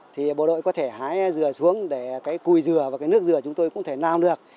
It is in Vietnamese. thì bộ đội có thể hái dừa xuống để cái cùi dừa và cái nước dừa chúng tôi cũng thể nao được